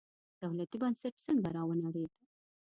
دولتي بنسټ څنګه راونړېد.